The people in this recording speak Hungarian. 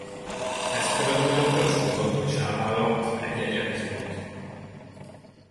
Ezt követően több sorozatban is elvállalt egy-egy epizódot.